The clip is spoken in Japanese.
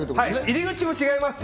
入り口も違います